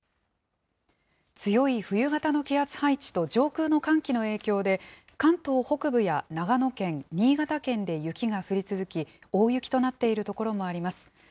強い冬型の気圧配置と上空の寒気の影響で、関東北部や長野県、新潟県で雪が降り続き、大雪となっている所もあります。